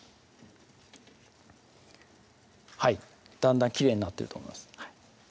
はいだんだんきれいになってると思います